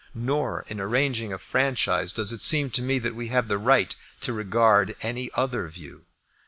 Nor in arranging a franchise does it seem to me that we have a right to regard any other view.